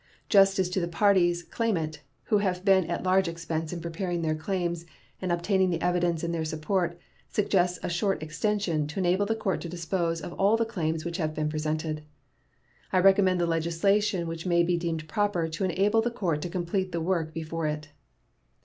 Justice to the parties claimant, who have been at large expense in preparing their claims and obtaining the evidence in their support, suggests a short extension, to enable the court to dispose of all of the claims which have been presented. I recommend the legislation which may be deemed proper to enable the court to complete the work before it.